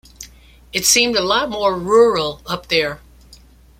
It seemed a lot more rural up there.